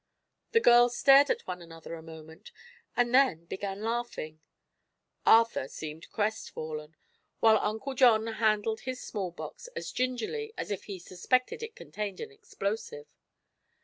The girls stared at one another a moment and then began laughing. Arthur seemed crestfallen, while Uncle John handled his small box as gingerly as if he suspected it contained an explosive.